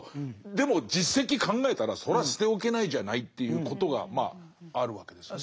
でも実績考えたらそれは捨ておけないじゃないということがまああるわけですね。